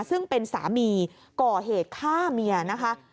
ซึ่งเป็นสามีก่อเหตุฆ่าเมียนะคะ